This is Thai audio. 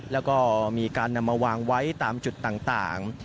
แล้วก็มีการนำมาวางไว้ตามจุดต่าง